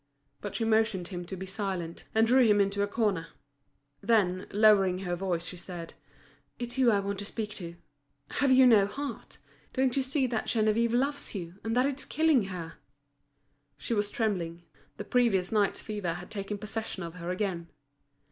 But she motioned him to be silent, and drew him into a corner. Then, lowering her voice, she said: "It's you I want to speak to. Have you no heart? Don't you see that Geneviève loves you, and that it's killing her." She was trembling, the previous night's fever had taken possession of her again.